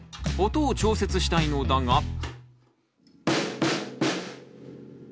音を調節したいのだが。